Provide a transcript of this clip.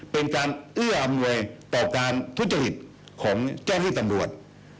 เป็นการเอื้ออำนวยต่อการทุจริตของเจ้าที่ตำรวจ